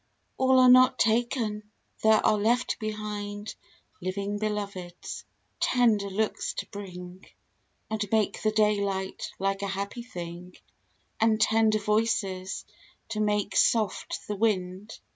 A LL are not taken ! there are left behind Living Beloveds, tender looks to bring, And make the daylight still a happy thing, And tender voices, to make soft the wind.